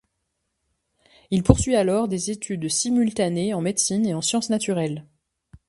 Il poursuit alors des études simultanées en médecine et en sciences naturelles.